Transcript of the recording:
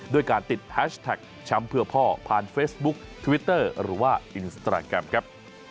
ด้วยการติดแฮชแท็กแชมป์เพื่อพ่อผ่านเฟซบุ๊คทวิตเตอร์หรือว่าอินสตราแกรมครับ